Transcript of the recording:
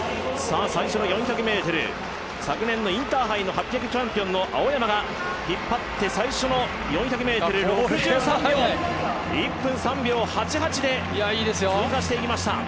最初の４００ｍ、昨年のインターハイ８００チャンピオンの青山が引っ張って、最初の４００ｍ、１分３秒８８で通過していきました。